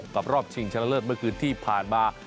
รอบชิงชนะเลิศเมื่อคืนที่ผ่านมา